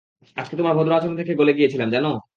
আজকে তোমার ভদ্র আচরণ দেখে গলে গিয়েছিলাম, জানো?